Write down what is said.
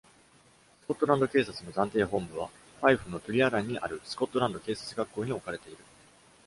スコットランド警察の暫定本部は、ファイフのトゥリアランにあるスコットランド警察学校に置かれている。